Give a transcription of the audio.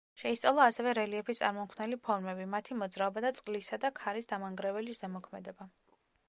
შეისწავლა ასევე რელიეფის წარმომქმნელი ფორმები, მათი მოძრაობა და წყლისა და ქარის დამანგრეველი ზემოქმედება.